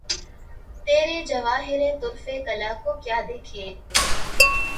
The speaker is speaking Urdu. تیرے جواہرِ طُرفِ کلہ کو کیا دیکھیں!